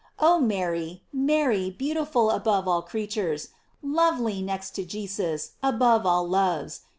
Oh Mary, Mary, beautiful above all creatures! lovely, next to Jesus, above all loves!